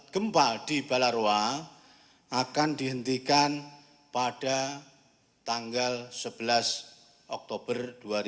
gempa di balaroa akan dihentikan pada tanggal sebelas oktober dua ribu dua puluh